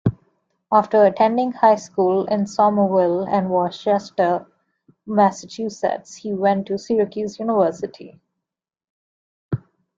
After attending high school in Somerville and Worcester, Massachusetts, he went to Syracuse University.